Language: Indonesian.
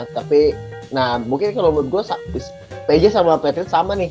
tapi nah mungkin kalo menurut gue pg sama patriots sama nih